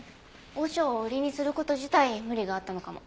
和尚を売りにする事自体無理があったのかも。